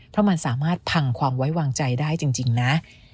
เพราะมันสามารถพังความไว้วางใจได้จริงนะ